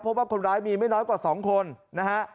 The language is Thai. เพราะว่าคนร้ายมีไม่น้อยกว่า๒คนนะฮะ